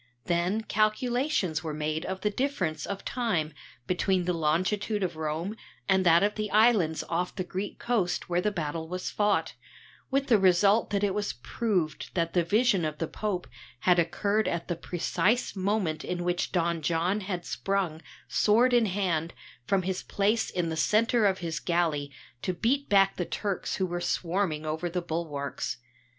Then calculations were made of the difference of time between the longitude of Rome and that of the islands off the Greek coast where the battle was fought, with the result that it was proved that the vision of the Pope had occurred at the precise moment in which Don John had sprung, sword in hand, from his place in the centre of his galley to beat back the Turks who were swarming over the bulwarks.